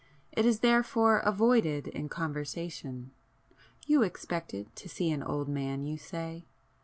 It is therefore avoided in conversation. You expected to see an old man you say?